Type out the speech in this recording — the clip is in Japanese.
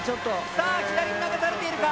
さあ左に流されているか？